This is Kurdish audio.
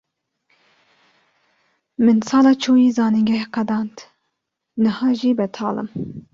Min sala çûyî zanîngeh qedand, niha jî betal im.